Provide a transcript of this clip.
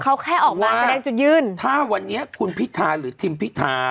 เขาแค่ออกมาแสดงจุดยื่นถ้าวันนี้คุณพิธาหรือทิมพิธา